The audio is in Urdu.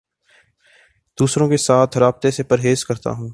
دوسروں کے ساتھ رابطے سے پرہیز کرتا ہوں